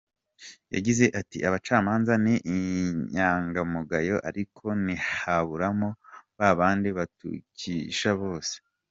Yagize ati “Abacamanza ni inyangamugayo ariko ntihaburamo babandi batukisha bose.